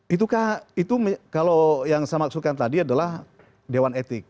itukah itu kalau yang saya maksudkan tadi adalah dewan etik